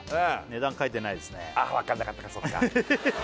値段書いてないですねああわかんなかったかそっかえへへへへ